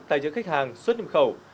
tài cho khách hàng xuất nhiệm khẩu